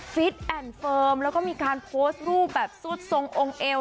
ฟิตแอนด์เฟิร์มแล้วก็มีการโพสต์รูปแบบสุดทรงองค์เอว